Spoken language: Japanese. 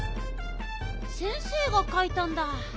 先生がかいたんだ。